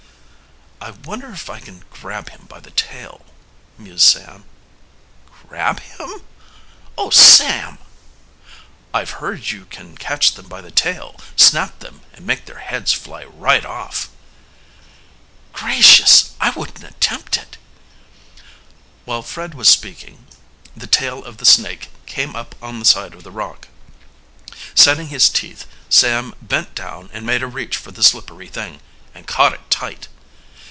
"I wonder if I can grab him by the tail?" mused Sam. "Grab him? Oh Sam!" "I've heard you can catch them by the tail, snap them, and make their heads fly right off." "Gracious, I wouldn't attempt it!" While Fred was speaking the tail of the snake came up on the side of the rock. Setting his teeth, Sam bent down and made a reach for the slippery thing, and caught it tight.